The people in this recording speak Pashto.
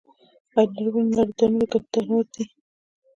آیا نړیوال نندارتونونه ګټور دي؟